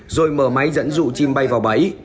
rồi mở máy dẫn dụ chim bay vào bẫy